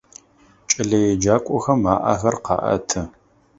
Кӏэлэеджакӏохэм аӏэхэр къаӏэты.